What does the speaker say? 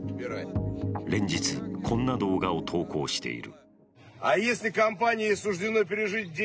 連日、こんな動画を投稿している。